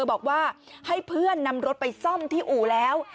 บอกว่าให้เพื่อนนำรถไปซ่อมที่อู่แล้ว